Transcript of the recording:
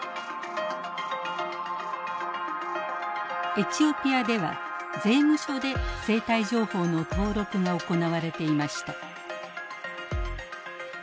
エチオピアでは税務署で生体情報の登録が行われていました。